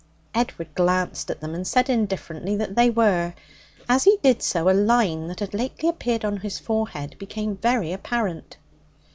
Edward glanced at them, and said indifferently that they were. As he did so, a line that had lately appeared on his forehead became very apparent.